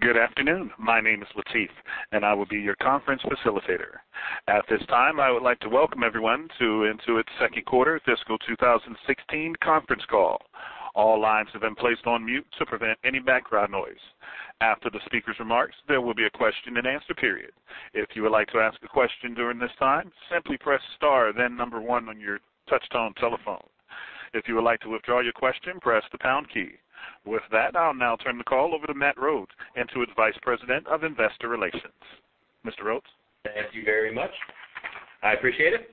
Good afternoon. My name is Latif, and I will be your conference facilitator. At this time, I would like to welcome everyone to Intuit's Second Quarter Fiscal 2016 Conference Call. All lines have been placed on mute to prevent any background noise. After the speaker's remarks, there will be a question and answer period. If you would like to ask a question during this time, simply press star then number one on your touchtone telephone. If you would like to withdraw your question, press the pound key. With that, I'll now turn the call over to Matt Rhodes, Intuit's Vice President of Investor Relations. Mr. Rhodes? Thank you very much. I appreciate it.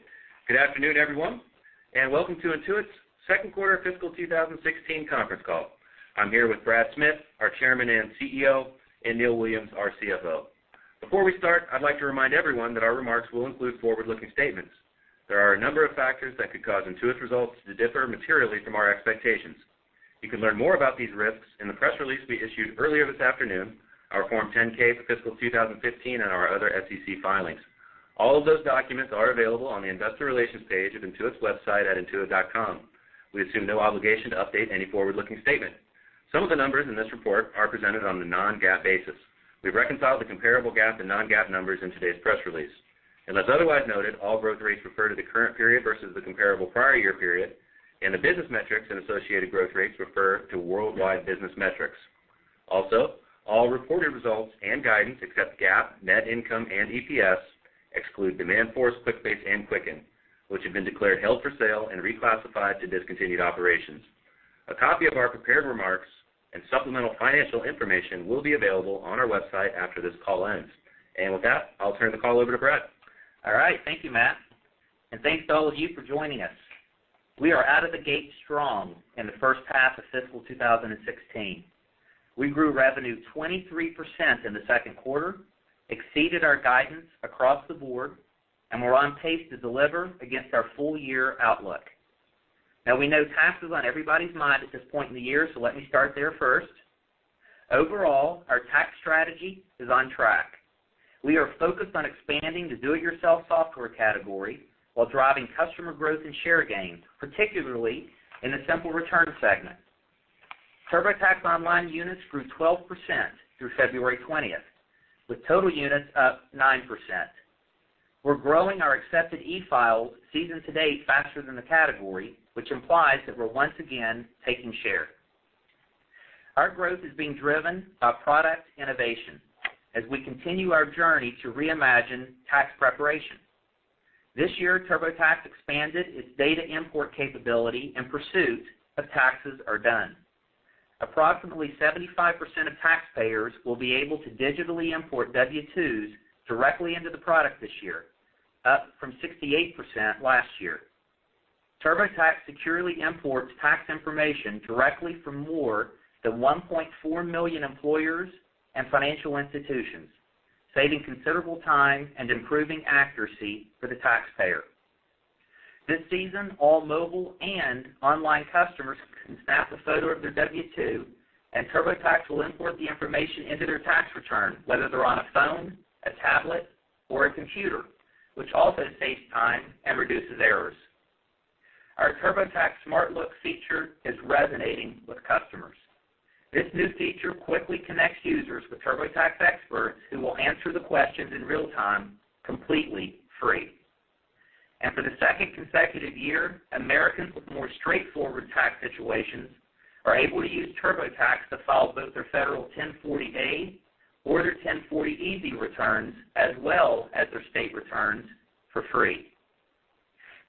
Good afternoon, everyone, and welcome to Intuit's Second Quarter Fiscal 2016 Conference Call. I'm here with Brad Smith, our Chairman and CEO, and Neil Williams, our CFO. Before we start, I'd like to remind everyone that our remarks will include forward-looking statements. There are a number of factors that could cause Intuit's results to differ materially from our expectations. You can learn more about these risks in the press release we issued earlier this afternoon, our Form 10-K for fiscal 2015, and our other SEC filings. All of those documents are available on the investor relations page of intuit.com. We assume no obligation to update any forward-looking statement. Some of the numbers in this report are presented on a non-GAAP basis. We've reconciled the comparable GAAP and non-GAAP numbers in today's press release. Unless otherwise noted, all growth rates refer to the current period versus the comparable prior year period, and the business metrics and associated growth rates refer to worldwide business metrics. Also, all reported results and guidance, except GAAP, net income, and EPS exclude Demandforce, QuickBase, and Quicken, which have been declared held for sale and reclassified to discontinued operations. A copy of our prepared remarks and supplemental financial information will be available on our website after this call ends. With that, I'll turn the call over to Brad. All right. Thank you, Matt. Thanks to all of you for joining us. We are out of the gate strong in the first half of fiscal 2016. We grew revenue 23% in the second quarter, exceeded our guidance across the board, and we're on pace to deliver against our full-year outlook. Now, we know tax is on everybody's mind at this point in the year, so let me start there first. Overall, our tax strategy is on track. We are focused on expanding the do-it-yourself software category while driving customer growth and share gain, particularly in the simple return segment. TurboTax Online units grew 12% through February 20th, with total units up 9%. We're growing our accepted e-files season to date faster than the category, which implies that we're once again taking share. Our growth is being driven by product innovation as we continue our journey to reimagine tax preparation. This year, TurboTax expanded its data import capability in pursuit of taxes are done. Approximately 75% of taxpayers will be able to digitally import W-2s directly into the product this year, up from 68% last year. TurboTax securely imports tax information directly from more than 1.4 million employers and financial institutions, saving considerable time and improving accuracy for the taxpayer. This season, all mobile and online customers can snap a photo of their W-2, and TurboTax will import the information into their tax return, whether they're on a phone, a tablet, or a computer, which also saves time and reduces errors. Our TurboTax SmartLook feature is resonating with customers. This new feature quickly connects users with TurboTax experts who will answer the questions in real time, completely free. For the second consecutive year, Americans with more straightforward tax situations are able to use TurboTax to file both their federal 1040A or their 1040EZ returns, as well as their state returns for free.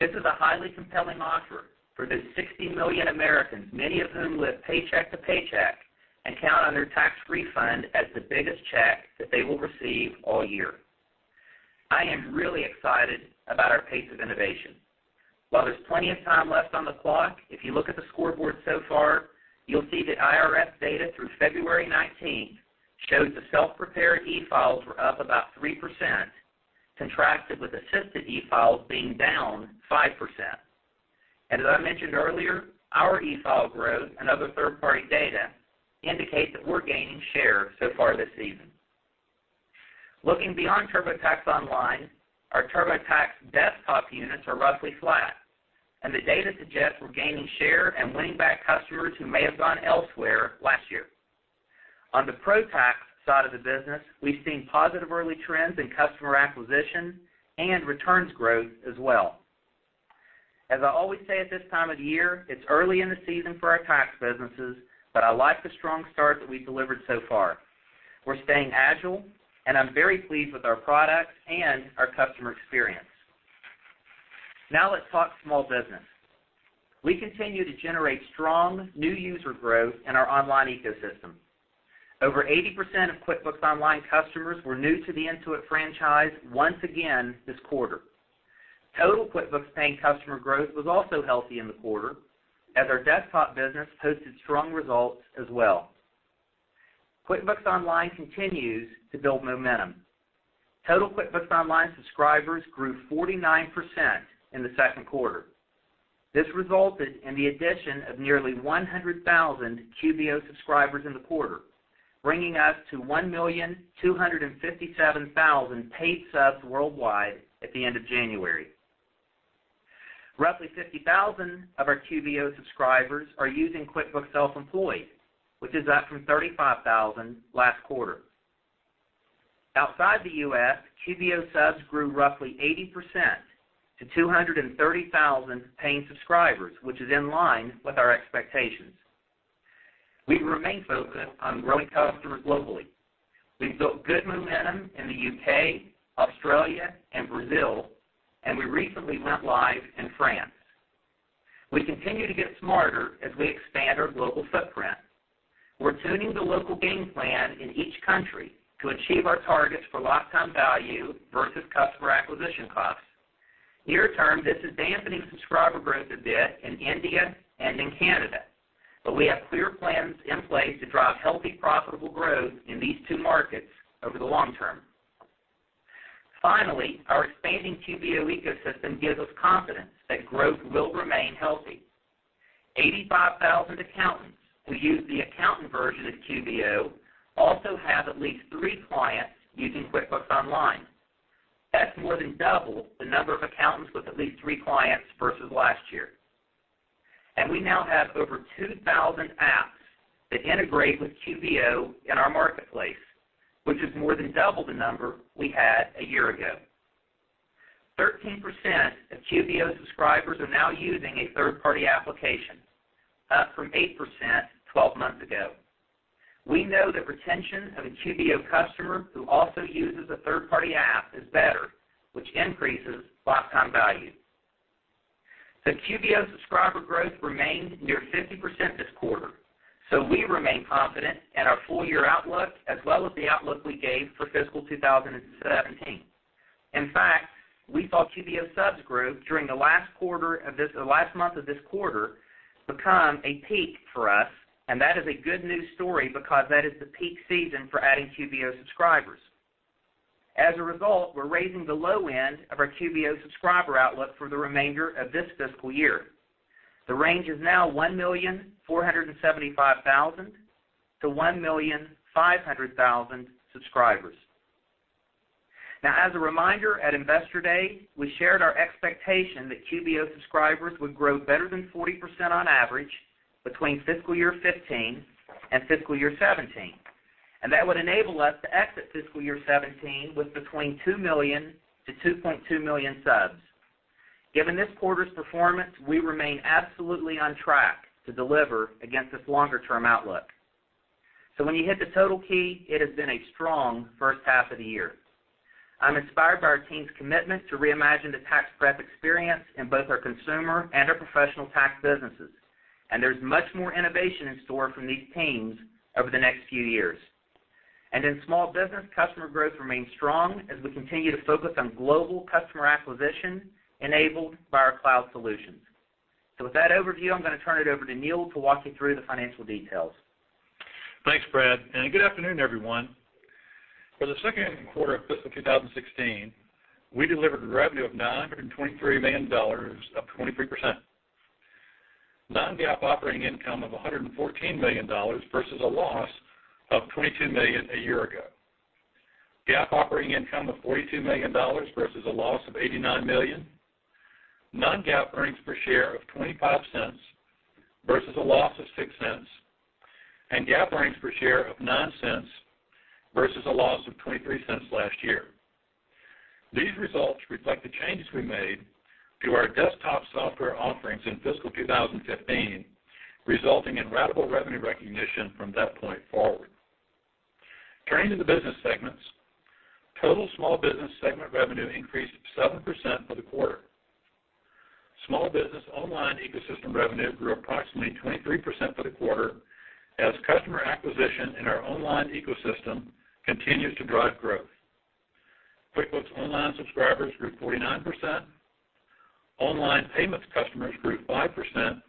This is a highly compelling offer for the 60 million Americans, many of whom live paycheck to paycheck and count on their tax refund as the biggest check that they will receive all year. I am really excited about our pace of innovation. While there's plenty of time left on the clock, if you look at the scoreboard so far, you'll see that IRS data through February 19th shows the self-prepared e-files were up about 3%, contrasted with assisted e-files being down 5%. As I mentioned earlier, our e-file growth and other third-party data indicate that we're gaining share so far this season. Looking beyond TurboTax Online, our TurboTax Desktop units are roughly flat, and the data suggests we're gaining share and winning back customers who may have gone elsewhere last year. On the Pro Tax side of the business, we've seen positive early trends in customer acquisition and returns growth as well. As I always say at this time of year, it's early in the season for our tax businesses, but I like the strong start that we delivered so far. We're staying agile, and I'm very pleased with our products and our customer experience. Now let's talk small business. We continue to generate strong new user growth in our online ecosystem. Over 80% of QuickBooks Online customers were new to the Intuit franchise once again this quarter. Total QuickBooks paying customer growth was also healthy in the quarter as our desktop business posted strong results as well. QuickBooks Online continues to build momentum. Total QuickBooks Online subscribers grew 49% in the second quarter. This resulted in the addition of nearly 100,000 QBO subscribers in the quarter, bringing us to 1,257,000 paid subs worldwide at the end of January. Roughly 50,000 of our QBO subscribers are using QuickBooks Self-Employed, which is up from 35,000 last quarter. Outside the U.S., QBO subs grew roughly 80% to 230,000 paying subscribers, which is in line with our expectations. We remain focused on growing customers globally. We've built good momentum in the U.K., Australia, and Brazil, and we recently went live in France. We continue to get smarter as we expand our global footprint. We're tuning the local game plan in each country to achieve our targets for lifetime value versus customer acquisition costs. Near-term, this is dampening subscriber growth a bit in India and in Canada, but we have clear plans in place to drive healthy, profitable growth in these two markets over the long term. Our expanding QBO ecosystem gives us confidence that growth will remain healthy. 85,000 accountants who use the accountant version of QBO also have at least three clients using QuickBooks Online. That's more than double the number of accountants with at least three clients versus last year. We now have over 2,000 apps that integrate with QBO in our marketplace, which is more than double the number we had a year ago. 13% of QBO subscribers are now using a third-party application, up from 8% 12 months ago. We know the retention of a QBO customer who also uses a third-party app is better, which increases lifetime value. QBO subscriber growth remained near 50% this quarter, we remain confident in our full-year outlook as well as the outlook we gave for fiscal 2017. We saw QBO subs growth during the last month of this quarter become a peak for us, that is a good news story because that is the peak season for adding QBO subscribers. We're raising the low end of our QBO subscriber outlook for the remainder of this fiscal year. The range is now 1,475,000 to 1,500,000 subscribers. As a reminder, at Investor Day, we shared our expectation that QBO subscribers would grow better than 40% on average between fiscal year 2015 and fiscal year 2017, that would enable us to exit fiscal year 2017 with between 2 million to 2.2 million subs. Given this quarter's performance, we remain absolutely on track to deliver against this longer-term outlook. When you hit the total key, it has been a strong first half of the year. I'm inspired by our team's commitment to reimagine the tax prep experience in both our consumer and our professional tax businesses, there's much more innovation in store from these teams over the next few years. In small business, customer growth remains strong as we continue to focus on global customer acquisition enabled by our cloud solutions. With that overview, I'm going to turn it over to Neil to walk you through the financial details. Thanks, Brad, good afternoon, everyone. For the second quarter of fiscal 2016, we delivered revenue of $923 million, up 23%. Non-GAAP operating income of $114 million versus a loss of $22 million a year ago. GAAP operating income of $42 million versus a loss of $89 million. Non-GAAP earnings per share of $0.25 versus a loss of $0.06. GAAP earnings per share of $0.09 versus a loss of $0.23 last year. These results reflect the changes we made to our desktop software offerings in fiscal 2015, resulting in ratable revenue recognition from that point forward. Turning to the business segments. Total small business segment revenue increased 7% for the quarter. Small business online ecosystem revenue grew approximately 23% for the quarter, as customer acquisition in our online ecosystem continues to drive growth. QuickBooks Online subscribers grew 49%, online payments customers grew 5%,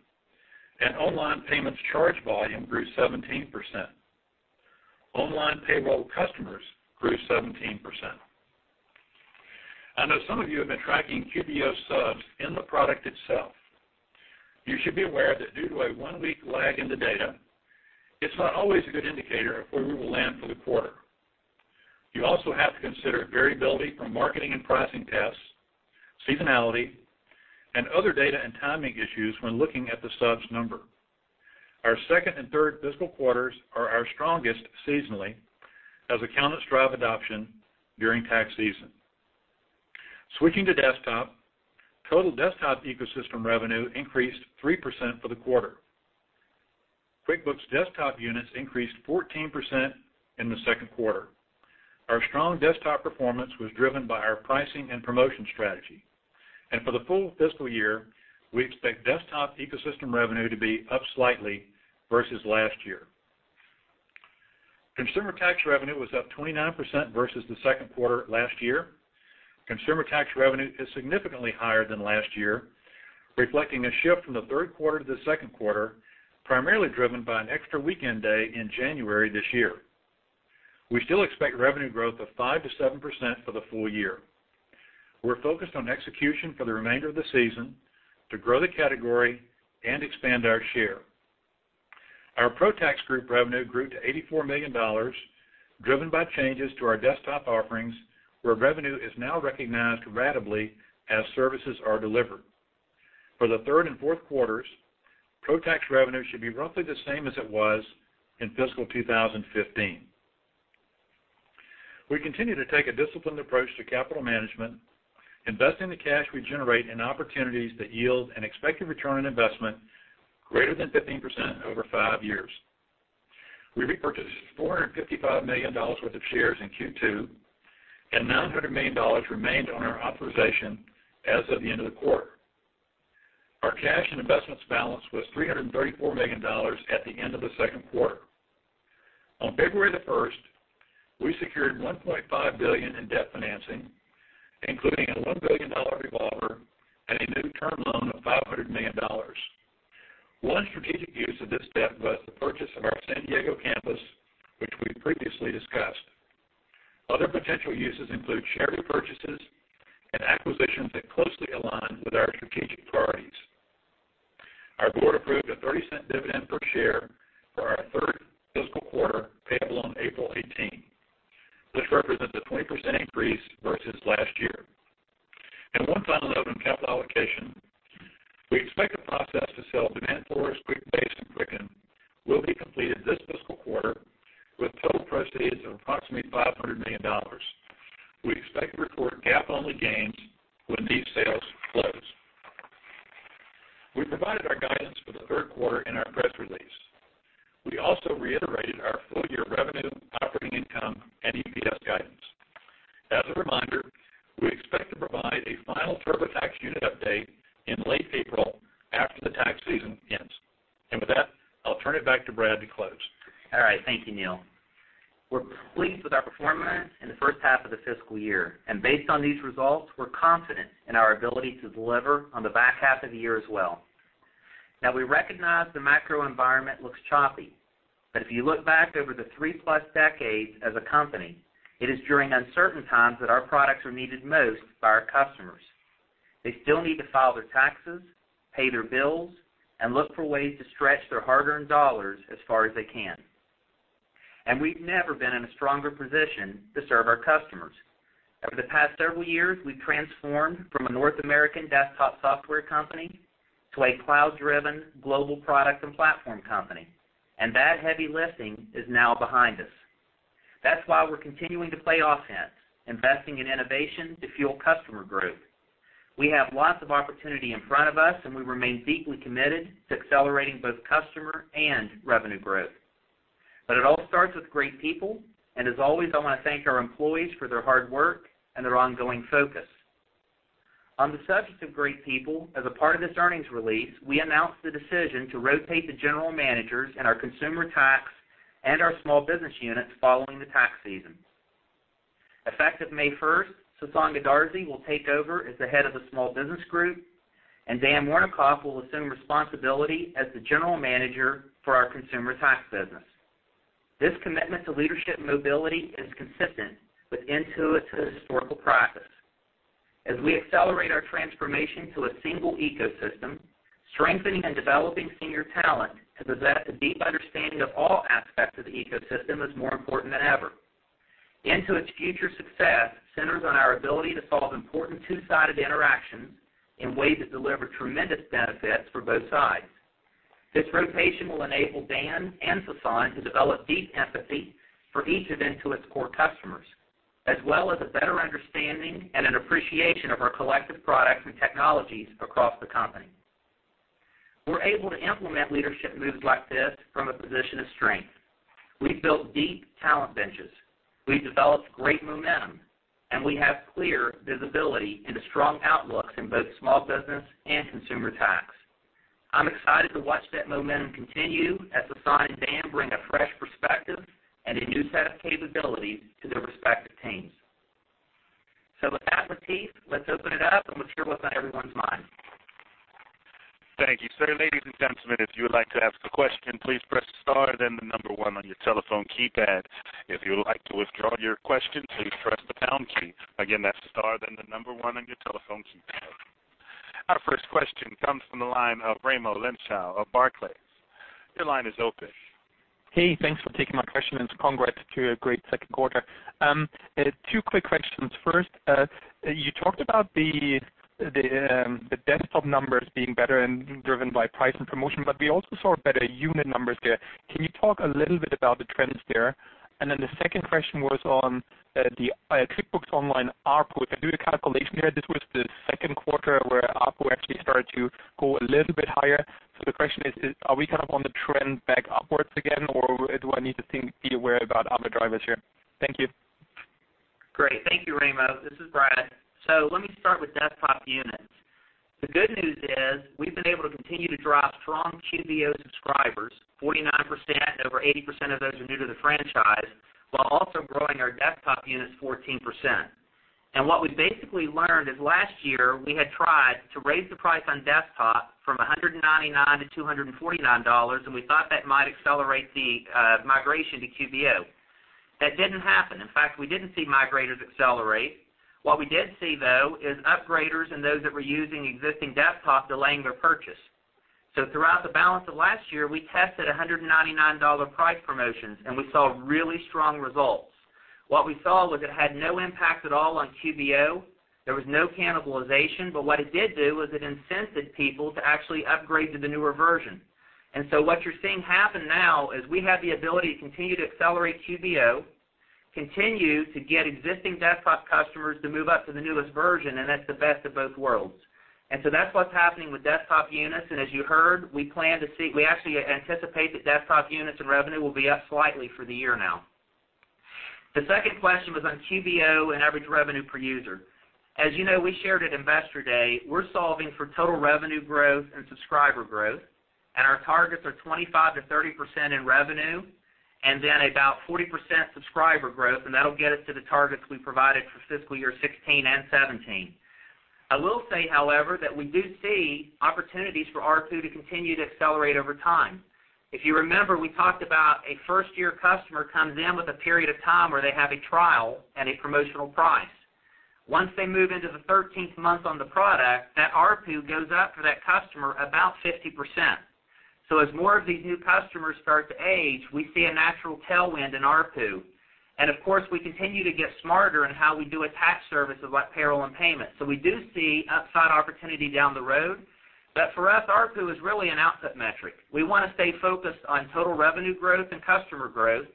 and online payments charge volume grew 17%. Online payroll customers grew 17%. I know some of you have been tracking QBO subs in the product itself. You should be aware that due to a one-week lag in the data, it's not always a good indicator of where we will land for the quarter. You also have to consider variability from marketing and pricing tests, seasonality, and other data and timing issues when looking at the subs number. Our second and third fiscal quarters are our strongest seasonally, as accountants drive adoption during tax season. Switching to desktop, total desktop ecosystem revenue increased 3% for the quarter. QuickBooks desktop units increased 14% in the second quarter. Our strong desktop performance was driven by our pricing and promotion strategy. For the full fiscal year, we expect desktop ecosystem revenue to be up slightly versus last year. Consumer tax revenue was up 29% versus the second quarter last year. Consumer tax revenue is significantly higher than last year, reflecting a shift from the third quarter to the second quarter, primarily driven by an extra weekend day in January this year. We still expect revenue growth of 5%-7% for the full year. We're focused on execution for the remainder of the season to grow the category and expand our share. Our Pro Tax group revenue grew to $84 million, driven by changes to our desktop offerings, where revenue is now recognized ratably as services are delivered. For the third and fourth quarters, Pro Tax revenue should be roughly the same as it was in fiscal 2015. We continue to take a disciplined approach to capital management, investing the cash we generate in opportunities that yield an expected return on investment greater than 15% over five years. We repurchased $455 million worth of shares in Q2, $900 million remained on our authorization as of the end of the quarter. Our cash and investments balance was $334 million at the end of the second quarter. On February the first, we secured $1.5 billion in debt financing, including a $1 billion revolver and a new term loan of $500 million. One strategic use of this debt was the purchase of our San Diego campus, which we previously discussed. Other potential uses include share repurchases and acquisitions that closely align with our strategic priorities. Our board approved a $0.30 dividend per share for our third fiscal quarter, payable on April 18, which represents a 20% increase versus last year. One final note on capital allocation, we expect the process to sell Demandforce, QuickBase, and Quicken will be completed this fiscal quarter with total proceeds of approximately $500 million. We expect to record GAAP-only gains when these sales close. We provided our guidance for the third quarter in our press release. We also reiterated our full-year revenue, operating income, and EPS guidance. As a reminder, we expect to provide a final TurboTax unit update in late April after the tax season ends. With that, I'll turn it back to Brad to close. Thank you, Neil. We're pleased with our performance in the first half of the fiscal year. Based on these results, we're confident in our ability to deliver on the back half of the year as well. Now, we recognize the macro environment looks choppy. If you look back over the 3+ decades as a company, it is during uncertain times that our products are needed most by our customers. They still need to file their taxes, pay their bills, and look for ways to stretch their hard-earned dollars as far as they can. We've never been in a stronger position to serve our customers. Over the past several years, we've transformed from a North American desktop software company to a cloud-driven global product and platform company. That heavy lifting is now behind us. That's why we're continuing to play offense, investing in innovation to fuel customer growth. We have lots of opportunity in front of us. We remain deeply committed to accelerating both customer and revenue growth. It all starts with great people. As always, I want to thank our employees for their hard work and their ongoing focus. On the subject of great people, as a part of this earnings release, we announced the decision to rotate the general managers in our consumer tax and our small business units following the tax season. Effective May first, Sasan Goodarzi will take over as the head of the small business group. Dan Wernikoff will assume responsibility as the general manager for our consumer tax business. This commitment to leadership mobility is consistent with Intuit's historical practice. As we accelerate our transformation to a single ecosystem, strengthening and developing senior talent to possess a deep understanding of all aspects of the ecosystem is more important than ever. Intuit's future success centers on our ability to solve important two-sided interactions in ways that deliver tremendous benefits for both sides. This rotation will enable Dan and Sasan to develop deep empathy for each of Intuit's core customers, as well as a better understanding and an appreciation of our collective products and technologies across the company. We're able to implement leadership moves like this from a position of strength. We've built deep talent benches. We've developed great momentum. We have clear visibility into strong outlooks in both small business and consumer tax. I'm excited to watch that momentum continue as Sasan and Dan bring a fresh perspective and a new set of capabilities to their respective teams. With that, Latif, let's open it up and let's hear what's on everyone's mind. Thank you, sir. Ladies and gentlemen, if you would like to ask a question, please press star then the number one on your telephone keypad. If you would like to withdraw your question, please press the pound key. Again, that's star then the number one on your telephone keypad. Our first question comes from the line of Raimo Lenschow of Barclays. Your line is open. Hey, thanks for taking my question, congrats to a great second quarter. Two quick questions. First, you talked about the desktop numbers being better and driven by price and promotion, but we also saw better unit numbers there. Can you talk a little bit about the trends there? The second question was on the QuickBooks Online ARPU. If I do the calculation here, this was the second quarter where ARPU actually started to go a little bit higher. The question is, are we kind of on the trend back upwards again, or do I need to be aware about other drivers here? Thank you. Great. Thank you, Raimo. This is Brad. Let me start with desktop units. The good news is we've been able to continue to draw strong QBO subscribers, 49%, over 80% of those are new to the franchise, while also growing our desktop units 14%. What we basically learned is last year, we had tried to raise the price on desktop from $199 to $249, we thought that might accelerate the migration to QBO. That didn't happen. In fact, we didn't see migrators accelerate. What we did see, though, is upgraders and those that were using existing desktop delaying their purchase. Throughout the balance of last year, we tested $199 price promotions, and we saw really strong results. What we saw was it had no impact at all on QBO. There was no cannibalization. What it did do was it incensed people to actually upgrade to the newer version. What you're seeing happen now is we have the ability to continue to accelerate QBO, continue to get existing desktop customers to move up to the newest version, and that's the best of both worlds. That's what's happening with desktop units, and as you heard, we actually anticipate that desktop units and revenue will be up slightly for the year now. The second question was on QBO and average revenue per user. As you know, we shared at Investor Day, we're solving for total revenue growth and subscriber growth, our targets are 25%-30% in revenue, then about 40% subscriber growth, and that'll get us to the targets we provided for fiscal year 2016 and 2017. I will say, however, that we do see opportunities for ARPU to continue to accelerate over time. If you remember, we talked about a first-year customer comes in with a period of time where they have a trial at a promotional price. Once they move into the 13th month on the product, that ARPU goes up for that customer about 50%. As more of these new customers start to age, we see a natural tailwind in ARPU. Of course, we continue to get smarter in how we do a tax service of like payroll and payment. We do see upside opportunity down the road, but for us, ARPU is really an output metric. We want to stay focused on total revenue growth and customer growth,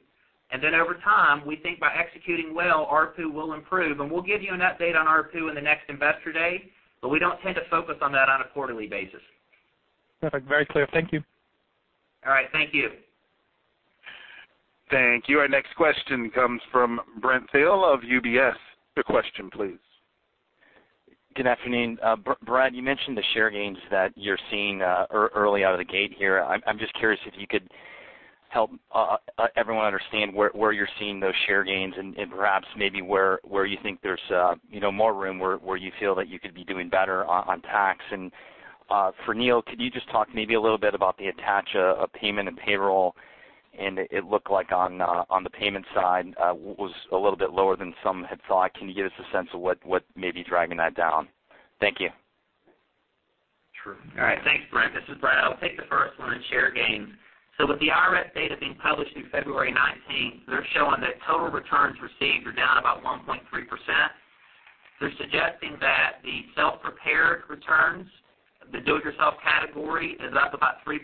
then over time, we think by executing well, ARPU will improve. We'll give you an update on ARPU in the next Investor Day, but we don't tend to focus on that on a quarterly basis. Perfect. Very clear. Thank you. All right. Thank you. Thank you. Our next question comes from Brent Thill of UBS. Your question please. Good afternoon. Brad, you mentioned the share gains that you're seeing early out of the gate here. I'm just curious if you could help everyone understand where you're seeing those share gains and perhaps maybe where you think there's more room where you feel that you could be doing better on tax. For Neil, could you just talk maybe a little bit about the attach of payment and payroll, and it looked like on the payment side, was a little bit lower than some had thought. Can you give us a sense of what may be dragging that down? Thank you. Sure. All right. Thanks, Brent. This is Brad. I'll take the first one on share gains. With the IRS data being published through February 19, they're showing that total returns received are down about 1.3%. They're suggesting that the self-prepared returns, the do-it-yourself category, is up about 3%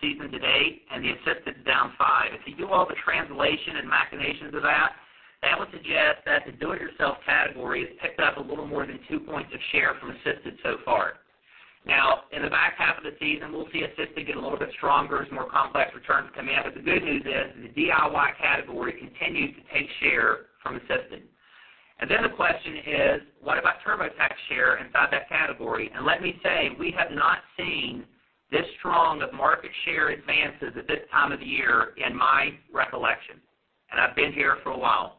season to date, and the assisted is down 5%. If you do all the translation and machinations of that would suggest that the do-it-yourself category has picked up a little more than two points of share from assisted so far. Now, in the back half of the season, we'll see assisted get a little bit stronger as more complex returns come in. The good news is the DIY category continues to take share from assisted. The question is, what about TurboTax share inside that category? Let me say, we have not seen this strong of market share advances at this time of the year in my recollection, and I've been here for a while.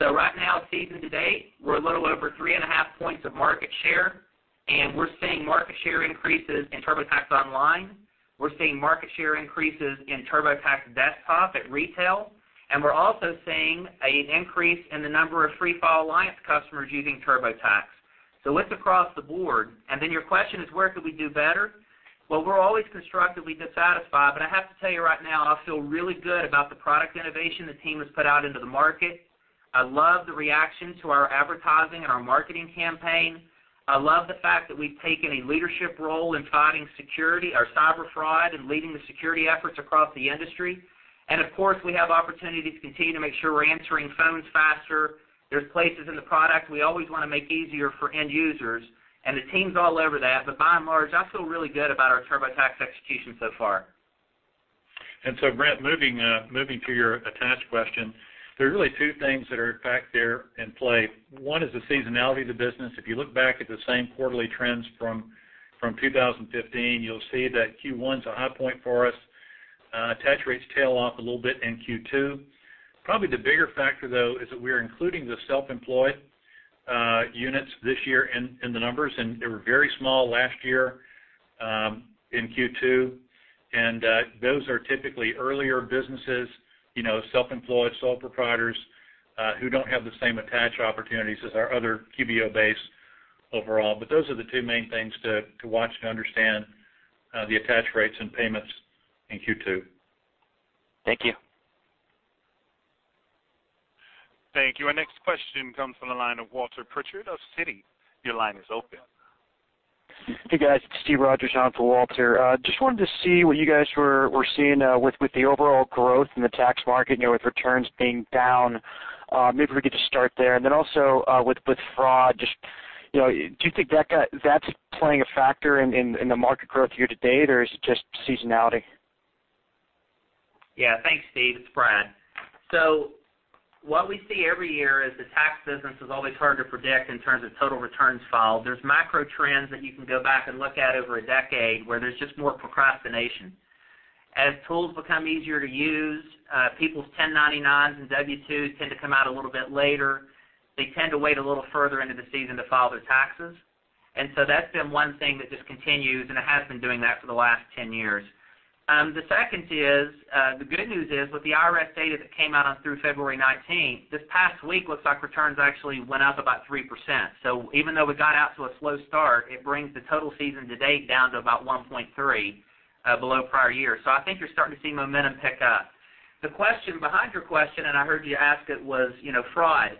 Right now, season to date, we're a little over three and a half points of market share, and we're seeing market share increases in TurboTax Online. We're seeing market share increases in TurboTax Desktop at retail, and we're also seeing an increase in the number of Free File Alliance customers using TurboTax. It's across the board. Your question is, where could we do better? Well, we're always constructively dissatisfied, I have to tell you right now, I feel really good about the product innovation the team has put out into the market. I love the reaction to our advertising and our marketing campaign. I love the fact that we've taken a leadership role in fighting security, our cyber fraud, and leading the security efforts across the industry. Of course, we have opportunity to continue to make sure we're answering phones faster. There's places in the product we always want to make easier for end users, the team's all over that. By and large, I feel really good about our TurboTax execution so far. Brent, moving to your attach question, there are really two things that are at fact there in play. One is the seasonality of the business. If you look back at the same quarterly trends from 2015, you'll see that Q1's a high point for us. Attach rates tail off a little bit in Q2. Probably the bigger factor, though, is that we're including the self-employed units this year in the numbers, and they were very small last year in Q2. Those are typically earlier businesses, self-employed, sole proprietors, who don't have the same attach opportunities as our other QBO base overall. Those are the two main things to watch and understand the attach rates and payments in Q2. Thank you. Thank you. Our next question comes from the line of Walter Pritchard of Citi. Your line is open. Hey, guys, it's Steve Rogers on for Walter. Wanted to see what you guys were seeing with the overall growth in the tax market, with returns being down. Maybe we could just start there. With fraud, do you think that's playing a factor in the market growth year to date, or is it just seasonality? Thanks, Steve. It's Brad. What we see every year is the tax business is always hard to predict in terms of total returns filed. There's macro trends that you can go back and look at over a decade where there's just more procrastination. As tools become easier to use, people's 1099s and W-2s tend to come out a little bit later. They tend to wait a little further into the season to file their taxes. That's been one thing that just continues, and it has been doing that for the last 10 years. The second is, the good news is with the IRS data that came out through February 19, this past week looks like returns actually went up about 3%. Even though we got out to a slow start, it brings the total season to date down to about 1.3 below prior year. I think you're starting to see momentum pick up. The question behind your question, and I heard you ask it, was fraud.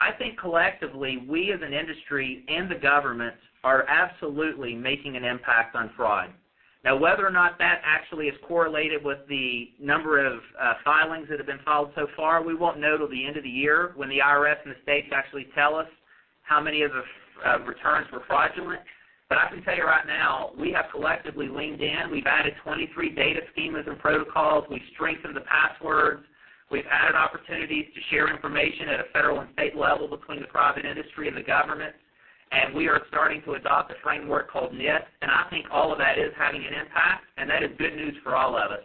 I think collectively we as an industry and the government are absolutely making an impact on fraud. Whether or not that actually is correlated with the number of filings that have been filed so far, we won't know till the end of the year when the IRS and the states actually tell us how many of the returns were fraudulent. I can tell you right now, we have collectively leaned in. We've added 23 data schemas and protocols. We've strengthened the passwords. We've added opportunities to share information at a federal and state level between the private industry and the government, we are starting to adopt a framework called NIST. I think all of that is having an impact, and that is good news for all of us.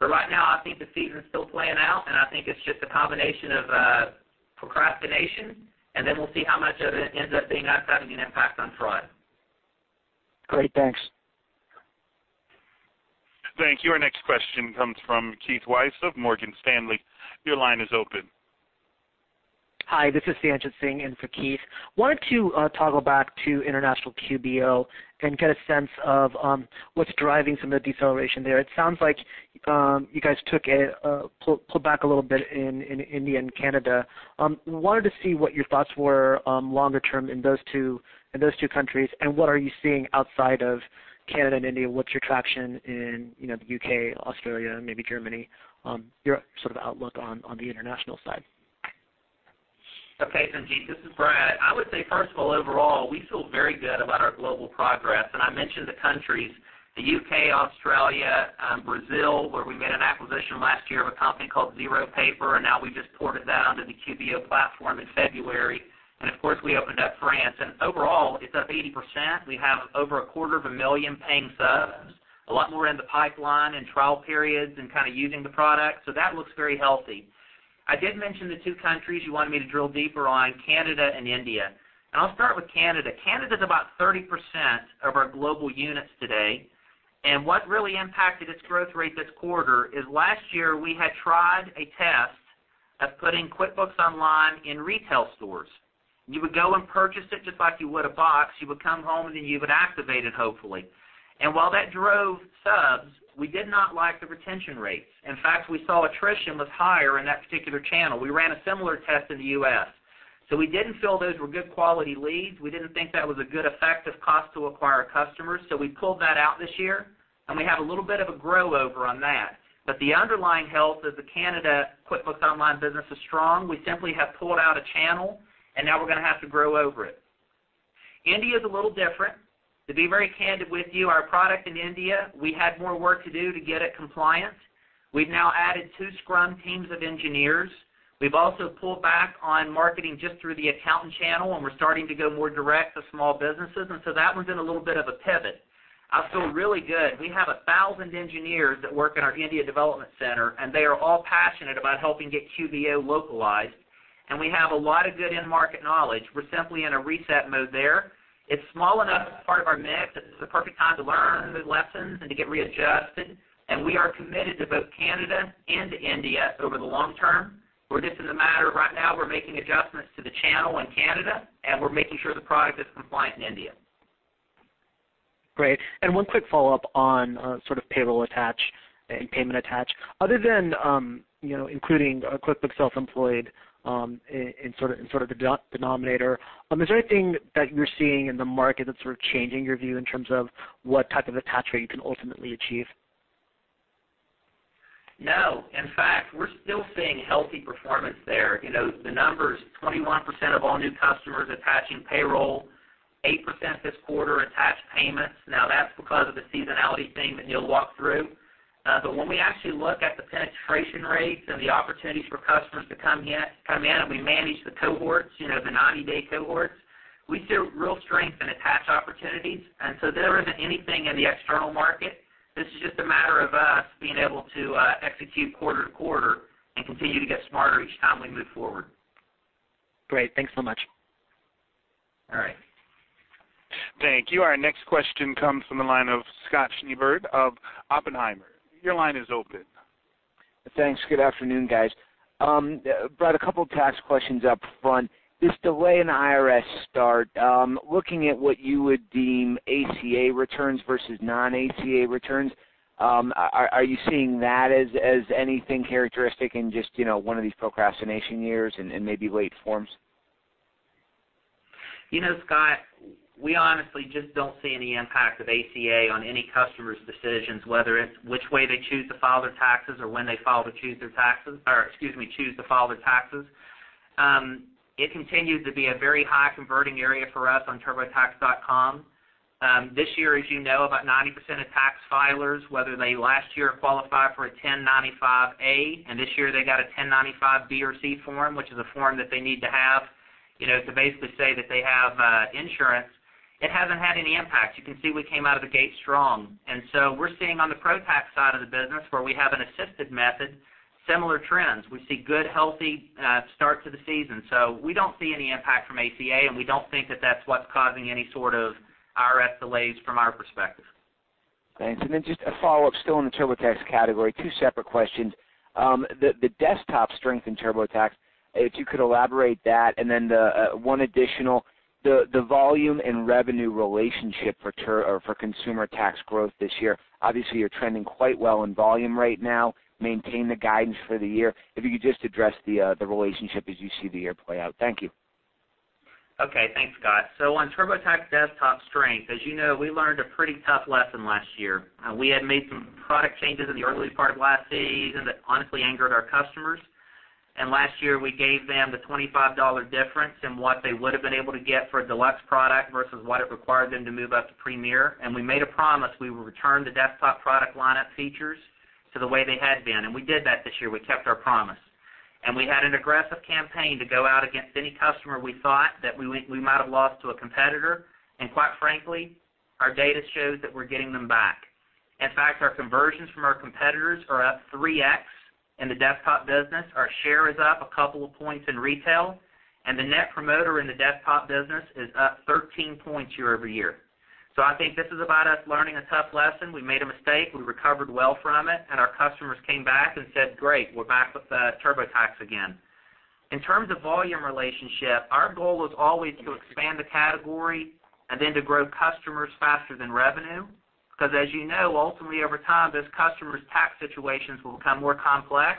Right now, I think the season's still playing out, and I think it's just a combination of procrastination, and then we'll see how much of it ends up having an impact on fraud. Great. Thanks. Thank you. Our next question comes from Keith Weiss of Morgan Stanley. Your line is open. Hi, this is Sanjit Singh in for Keith. Wanted to toggle back to international QBO and get a sense of what's driving some of the deceleration there. It sounds like you guys pulled back a little bit in India and Canada. Wanted to see what your thoughts were longer term in those two countries, and what are you seeing outside of Canada and India? What's your traction in the U.K., Australia, maybe Germany, your sort of outlook on the international side? Okay, Sanjit, this is Brad. I would say, first of all, overall, we feel very good about our global progress. I mentioned the countries, the U.K., Australia, Brazil, where we made an acquisition last year of a company called ZeroPaper, and now we just ported that onto the QBO platform in February. Of course, we opened up France, and overall, it's up 80%. We have over a quarter of a million paying subs, a lot more in the pipeline in trial periods and kind of using the product. That looks very healthy. I did mention the two countries you wanted me to drill deeper on, Canada and India. I'll start with Canada. Canada is about 30% of our global units today, and what really impacted its growth rate this quarter is last year we had tried a test of putting QuickBooks Online in retail stores. You would go and purchase it just like you would a box. You would come home, then you would activate it, hopefully. While that drove subs, we did not like the retention rates. In fact, we saw attrition was higher in that particular channel. We ran a similar test in the U.S. We didn't feel those were good quality leads. We didn't think that was a good effective cost to acquire customers, so we pulled that out this year, and we have a little bit of a grow over on that. The underlying health of the Canada QuickBooks Online business is strong. We simply have pulled out a channel, and now we're going to have to grow over it. India's a little different. To be very candid with you, our product in India, we had more work to do to get it compliant. We've now added two scrum teams of engineers. We've also pulled back on marketing just through the accountant channel, we're starting to go more direct to small businesses, that one's in a little bit of a pivot. I feel really good. We have 1,000 engineers that work in our India development center, they are all passionate about helping get QBO localized, we have a lot of good end market knowledge. We're simply in a reset mode there. It's small enough as part of our mix that this is the perfect time to learn those lessons and to get readjusted, we are committed to both Canada and India over the long term, where this is a matter of right now, we're making adjustments to the channel in Canada, and we're making sure the product is compliant in India. Great. One quick follow-up on sort of payroll attach and payment attach. Other than including a QuickBooks Self-Employed in sort of the denominator, is there anything that you're seeing in the market that's sort of changing your view in terms of what type of attach rate you can ultimately achieve? No. In fact, we're still seeing healthy performance there. The number's 21% of all new customers attaching payroll, 8% this quarter attached payments. That's because of the seasonality thing that Neil walked through. When we actually look at the penetration rates and the opportunities for customers to come in, and we manage the cohorts, the 90-day cohorts, we see real strength in attach opportunities, there isn't anything in the external market. This is just a matter of us being able to execute quarter to quarter and continue to get smarter each time we move forward. Great. Thanks so much. All right. Thank you. Our next question comes from the line of Scott Schneeberger of Oppenheimer. Your line is open. Thanks. Good afternoon, guys. Brad, a couple tax questions up front. This delay in IRS start, looking at what you would deem ACA returns versus non-ACA returns, are you seeing that as anything characteristic in just one of these procrastination years and maybe late forms? Scott, we honestly just don't see any impact of ACA on any customer's decisions, whether it's which way they choose to file their taxes or when they choose to file their taxes. It continues to be a very high converting area for us on turbotax.com. This year, as you know, about 90% of tax filers, whether they last year qualified for a 1095-A, and this year they got a 1095-B or C form, which is a form that they need to have to basically say that they have insurance, it hasn't had any impact. You can see we came out of the gate strong. We're seeing on the Pro Tax side of the business, where we have an assisted method similar trends. We see good, healthy start to the season. We don't see any impact from ACA, and we don't think that that's what's causing any sort of IRS delays from our perspective. Thanks. Just a follow-up, still in the TurboTax category, two separate questions. The desktop strength in TurboTax, if you could elaborate that, and then one additional, the volume and revenue relationship for consumer tax growth this year. Obviously, you're trending quite well in volume right now, maintain the guidance for the year. If you could just address the relationship as you see the year play out. Thank you. Okay. Thanks, Scott. On TurboTax desktop strength, as you know, we learned a pretty tough lesson last year. We had made some product changes in the early part of last season that honestly angered our customers. Last year, we gave them the $25 difference in what they would've been able to get for a Deluxe product versus what it required them to move up to Premier. We made a promise we would return the desktop product lineup features to the way they had been, and we did that this year. We kept our promise. We had an aggressive campaign to go out against any customer we thought that we might have lost to a competitor, and quite frankly, our data shows that we're getting them back. In fact, our conversions from our competitors are up 3x in the desktop business. Our share is up a couple of points in retail, and the Net Promoter in the desktop business is up 13 points year-over-year. I think this is about us learning a tough lesson. We made a mistake, we recovered well from it, and our customers came back and said, "Great, we're back with TurboTax again." In terms of volume relationship, our goal was always to expand the category and then to grow customers faster than revenue, because as you know, ultimately, over time, those customers' tax situations will become more complex,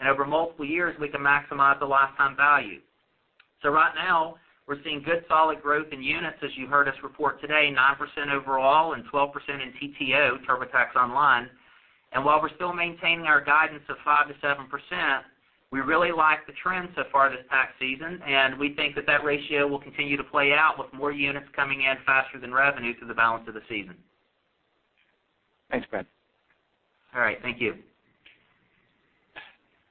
and over multiple years, we can maximize the lifetime value. Right now, we're seeing good solid growth in units, as you heard us report today, 9% overall and 12% in TTO, TurboTax Online. While we're still maintaining our guidance of 5%-7%, we really like the trends so far this tax season, and we think that that ratio will continue to play out with more units coming in faster than revenue through the balance of the season. Thanks, Brad. All right. Thank you.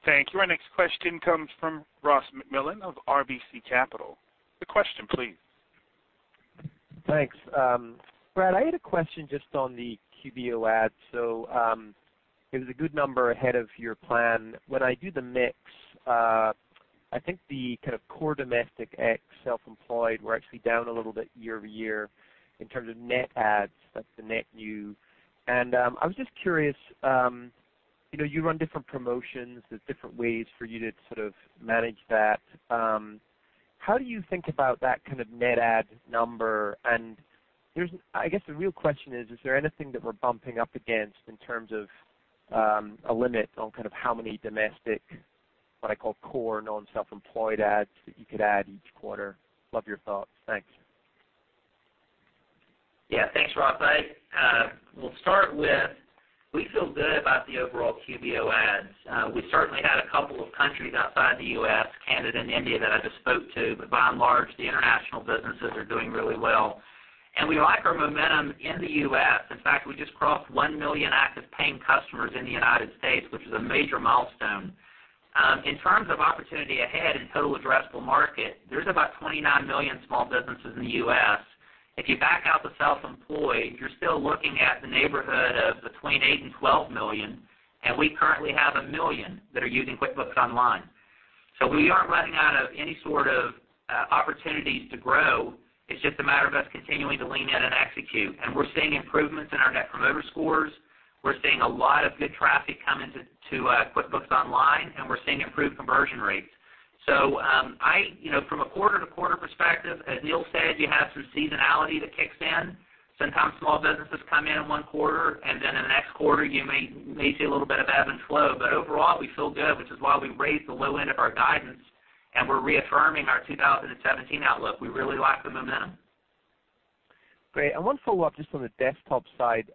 Thank you. Our next question comes from Ross MacMillan of RBC Capital. The question, please. Thanks. Brad, I had a question just on the QBO adds. It was a good number ahead of your plan. When I do the mix, I think the kind of core domestic ex self-employed were actually down a little bit year-over-year in terms of net adds, like the net new. I was just curious, you run different promotions. There's different ways for you to sort of manage that. How do you think about that kind of net add number? I guess the real question is there anything that we're bumping up against in terms of a limit on kind of how many domestic, what I call core non-self-employed adds that you could add each quarter? Love your thoughts. Thanks. Thanks, Ross. We'll start with, we feel good about the overall QBO adds. We certainly had a couple of countries outside the U.S., Canada and India, that I just spoke to, but by and large, the international businesses are doing really well. We like our momentum in the U.S. In fact, we just crossed 1 million active paying customers in the United States, which is a major milestone. In terms of opportunity ahead in total addressable market, there's about 29 million small businesses in the U.S. If you back out the self-employed, you're still looking at the neighborhood of between 8 million and 12 million, and we currently have 1 million that are using QuickBooks Online. We aren't running out of any sort of opportunities to grow. It's just a matter of us continuing to lean in and execute. We're seeing improvements in our Net Promoter Scores. We're seeing a lot of good traffic come into QuickBooks Online, we're seeing improved conversion rates. From a quarter-to-quarter perspective, as Neil said, you have some seasonality that kicks in. Sometimes small businesses come in in one quarter, then in the next quarter, you may see a little bit of ebb and flow. Overall, we feel good, which is why we raised the low end of our guidance, we're reaffirming our 2017 outlook. We really like the momentum. Great. One follow-up just on the desktop side.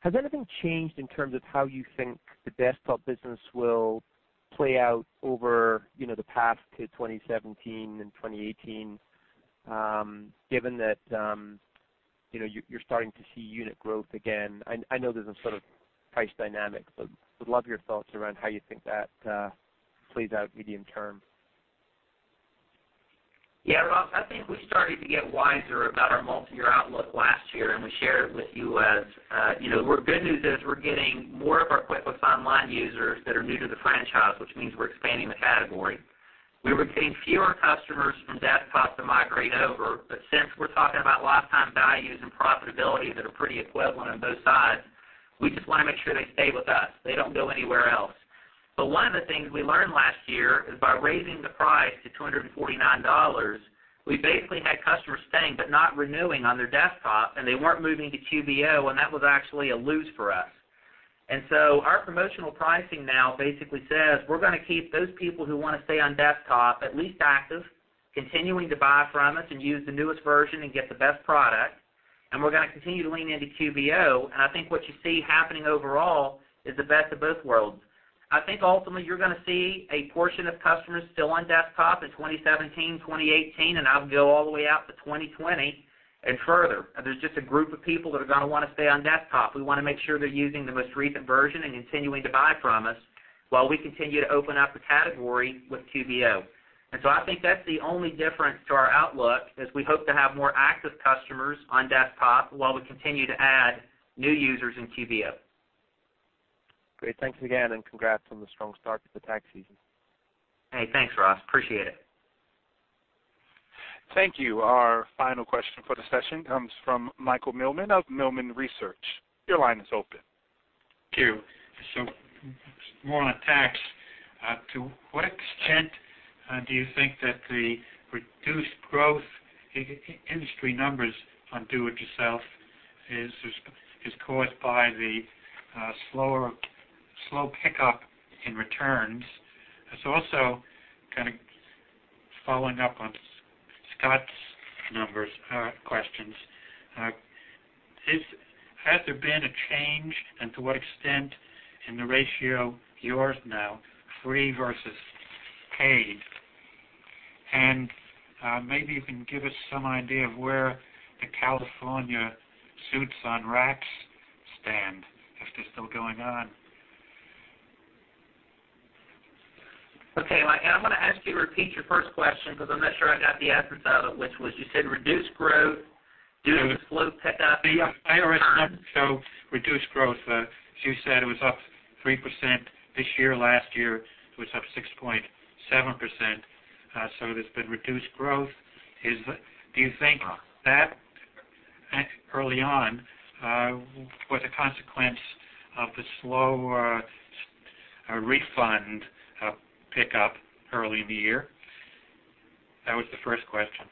Has anything changed in terms of how you think the desktop business will play out over the path to 2017 and 2018, given that you're starting to see unit growth again? I know there's a sort of price dynamic, but would love your thoughts around how you think that plays out medium term. Yeah, Ross, I think we started to get wiser about our multi-year outlook last year. The good news is we're getting more of our QuickBooks Online users that are new to the franchise, which means we're expanding the category. We were seeing fewer customers from desktop to migrate over, but since we're talking about lifetime values and profitability that are pretty equivalent on both sides, we just want to make sure they stay with us, they don't go anywhere else. One of the things we learned last year is by raising the price to $249, we basically had customers staying but not renewing on their desktop, and they weren't moving to QBO, and that was actually a loss for us. Our promotional pricing now basically says we're going to keep those people who want to stay on desktop at least active, continuing to buy from us and use the newest version and get the best product. We're going to continue to lean into QBO, and I think what you see happening overall is the best of both worlds. I think ultimately, you're going to see a portion of customers still on desktop in 2017, 2018, and I would go all the way out to 2020 and further. There's just a group of people that are going to want to stay on desktop. We want to make sure they're using the most recent version and continuing to buy from us while we continue to open up the category with QBO. I think that's the only difference to our outlook, is we hope to have more active customers on desktop while we continue to add new users in QBO. Great. Thanks again, congrats on the strong start to the tax season. Hey, thanks, Ross. Appreciate it. Thank you. Our final question for the session comes from Michael Millman of Millman Research. Your line is open. Thank you. More on tax. To what extent do you think that the reduced growth in industry numbers on do it yourself is caused by the slow pickup in returns? It's also kind of following up on Scott's numbers questions. Has there been a change, and to what extent, in the ratio, yours now, free versus paid? Maybe you can give us some idea of where the California suits on tax stand, if they're still going on. Okay, Mike, I'm going to ask you to repeat your first question because I'm not sure I got the essence of it, which was, you said reduced growth due to the slow pickup in returns. The IRS numbers show reduced growth. As you said, it was up 3% this year. Last year, it was up 6.7%. There's been reduced growth. Do you think that, early on, was a consequence of the slow refund pickup early in the year? That was the first question.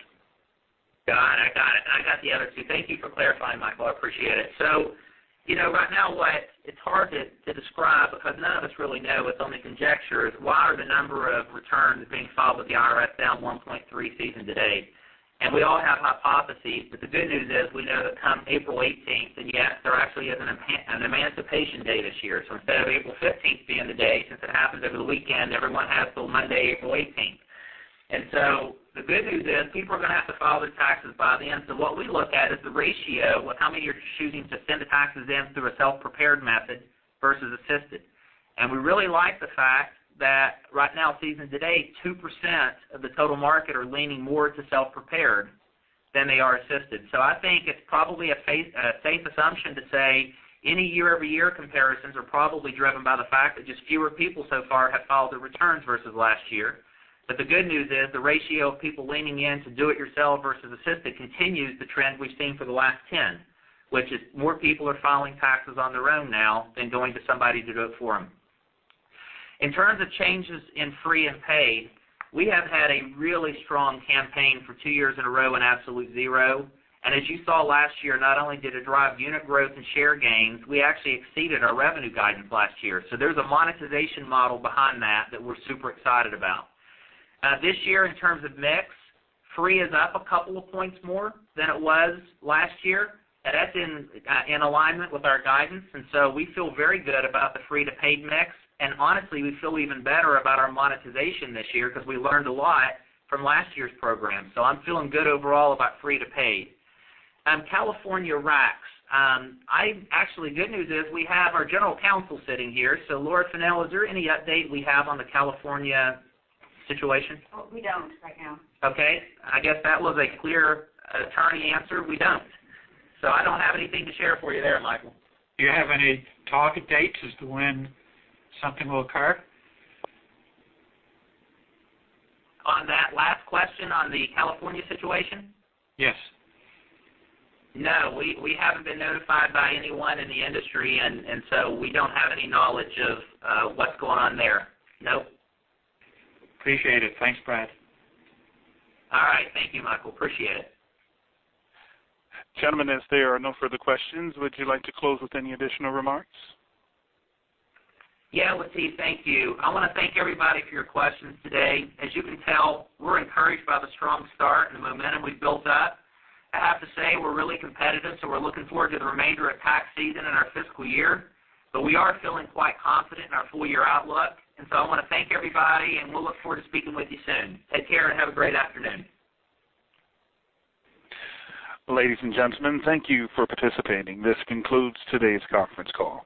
Got it. I got it, and I got the other two. Thank you for clarifying, Michael. I appreciate it. Right now, what it's hard to describe because none of us really know, it's only conjecture, is why are the number of returns being filed with the IRS down 1.3% season to date? We all have hypotheses, but the good news is we know that come April 18th, and yes, there actually is an Emancipation Day this year, instead of April 15th being the day, since it happens over the weekend, everyone has till Monday, April 18th. The good news is people are going to have to file their taxes by then. What we look at is the ratio of how many are choosing to send the taxes in through a self-prepared method versus assisted. We really like the fact that right now, season to date, 2% of the total market are leaning more to self-prepared than they are assisted. I think it's probably a safe assumption to say any year-over-year comparisons are probably driven by the fact that just fewer people so far have filed their returns versus last year. The good news is the ratio of people leaning in to do it yourself versus assisted continues the trend we've seen for the last ten, which is more people are filing taxes on their own now than going to somebody to do it for them. In terms of changes in free and paid, we have had a really strong campaign for two years in a row in Absolute Zero, and as you saw last year, not only did it drive unit growth and share gains, we actually exceeded our revenue guidance last year. There's a monetization model behind that we're super excited about. This year, in terms of mix, free is up a couple of points more than it was last year. That's in alignment with our guidance, and we feel very good about the free to paid mix, and honestly, we feel even better about our monetization this year because we learned a lot from last year's program. I'm feeling good overall about free to paid. California racks. Actually, good news is we have our general counsel sitting here. Laura Fennell, is there any update we have on the California situation? We don't right now. Okay. I guess that was a clear attorney answer. We don't. I don't have anything to share for you there, Michael. Do you have any target dates as to when something will occur? On that last question on the California situation? Yes. No. We haven't been notified by anyone in the industry, we don't have any knowledge of what's going on there. No. Appreciate it. Thanks, Brad. All right. Thank you, Michael. Appreciate it. Gentlemen, as there are no further questions, would you like to close with any additional remarks? Yeah, Latif, thank you. I want to thank everybody for your questions today. As you can tell, we're encouraged by the strong start and the momentum we've built up. I have to say, we're really competitive, so we're looking forward to the remainder of tax season and our fiscal year, but we are feeling quite confident in our full-year outlook. I want to thank everybody, and we'll look forward to speaking with you soon. Take care and have a great afternoon. Ladies and gentlemen, thank you for participating. This concludes today's conference call.